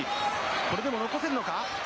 これでも残せるのか？